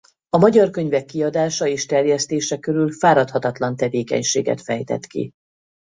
A magyar könyvek kiadása és terjesztése körül fáradhatatlan tevékenységet fejtett ki.